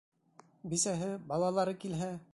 — Бисәһе, балалары килһә?